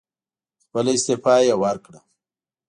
خپله استعفی یې ورکړه.